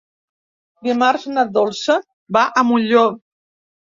Dimarts na Dolça va a Molló.